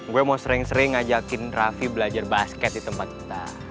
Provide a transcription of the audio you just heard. gue mau sering sering ngajakin raffi belajar basket di tempat kita